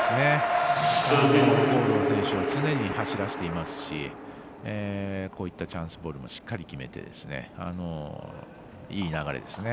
ゴードン選手を常に走らせていますしこういったチャンスボールをしっかり決めていい流れですね。